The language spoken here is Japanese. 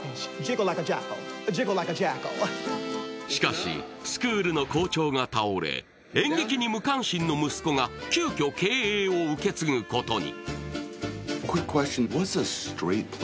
しかし、スクールの校長が倒れ演劇に無関心の息子が急きょ、経営を受け継ぐことに。